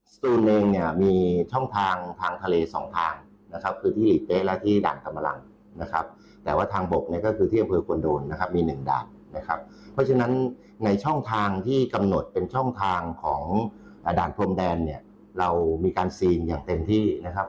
สตูนเองเนี่ยมีช่องทางทางทะเล๒ทางนะครับคือที่หลีกเป๊ะและที่ด่านธรรมรังนะครับ